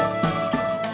mau kemana kang